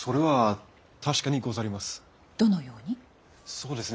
そうですね。